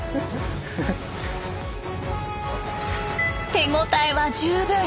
手応えは十分。